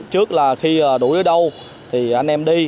trước là khi đuổi ở đâu thì anh em đi